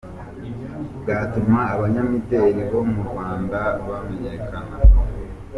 Bwatuma abanyamideli bo mu Rwanda bamenyekana.